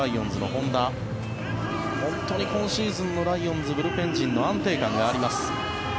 本当に今シーズンのライオンズブルペン陣の安定感があります。